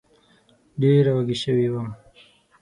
ډېره وږې سوې وم